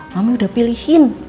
mama udah pilihin